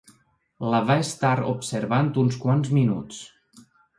La va estar observant uns quants minuts.